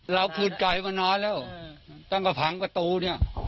เราขึ้นไก่มานานแล้วตั้งกระพังกระตูนี่